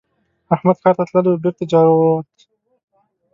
احمد ښار ته تللی وو؛ بېرته جارووت.